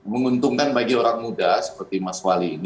menguntungkan bagi orang muda seperti mas wali ini